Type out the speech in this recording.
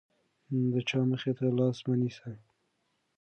د چا مخې ته لاس مه نیسه.